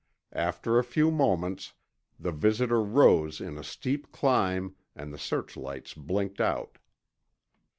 After a few moments, the visitor rose in a steep climb, and the searchlights blinked out.